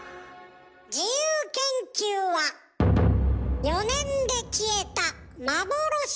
自由研究は４年で消えた幻の教科。